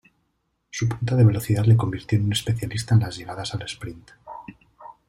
Su punta de velocidad le convirtió en un especialista en las llegadas al sprint.